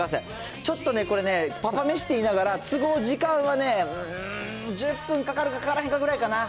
ちょっとね、これね、パパめしって言いながら、都合時間はね、うーん、１０分かかるか、かからへんくらいかな。